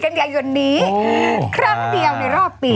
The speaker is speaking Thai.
ครั้งเดียวในรอบปี